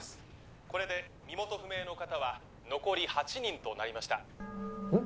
これで身元不明の方は残り８人となりましたうん？